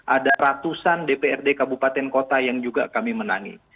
ada ratusan dprd kabupaten kota yang juga kami menangi